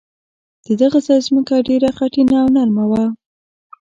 د دغه ځای ځمکه ډېره خټینه او نرمه وه.